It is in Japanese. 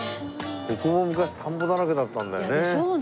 ここも昔田んぼだらけだったんだよね。